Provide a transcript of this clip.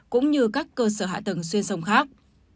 cũng như các cơ sở hạ tầng xuyên sông khác